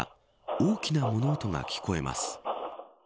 大きな物音が聞こえます。